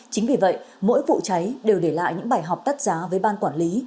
chính vì vậy mỗi vụ cháy đều để lại những bài học tắt giá với ban quản lý